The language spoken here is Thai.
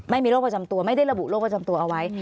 ไม่มีโรคประจำตัวไม่ได้ระบุโรคประจำตัวเอาไว้